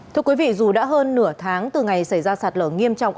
thưa quý vị dù đã hơn nửa tháng từ ngày xảy ra sạt lở nghiêm trọng